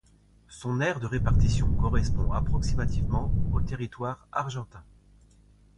Son aire de répartition correspond approximativement au territoire argentin.